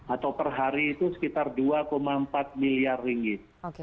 atau per hari itu sekitar dua empat miliar ringgit